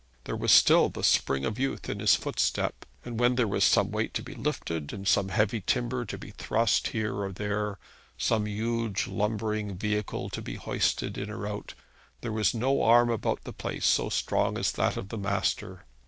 There was still the spring of youth in his footstep, and when there was some weight to be lifted, some heavy timber to be thrust here or there, some huge lumbering vehicle to be hoisted in or out, there was no arm about the place so strong as that of the master.